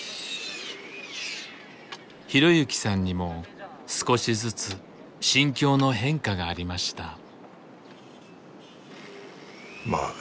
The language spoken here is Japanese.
浩行さんにも少しずつ心境の変化がありました。